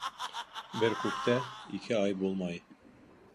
Бер күктә ике ай булмай